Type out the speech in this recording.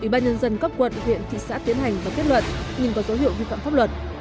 ủy ban nhân dân cấp quận huyện thị xã tiến hành và kết luận nhưng có dấu hiệu vi phạm pháp luật